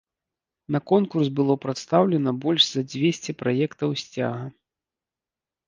На конкурс было прадстаўлена больш за дзвесце праектаў сцяга.